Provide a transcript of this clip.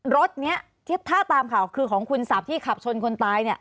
รถนี้ถ้าตามข่าวคือของคุณสับที่ขับชนคนตายเนี่ย